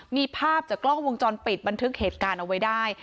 มีภาพจากกล้องวงจรปิดบันทึกเหตุการณ์เอาไว้ได้